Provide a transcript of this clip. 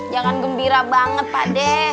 jangan gembira banget pak de